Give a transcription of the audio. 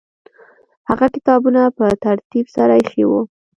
هغه کتابونه په ترتیب سره ایښي وو.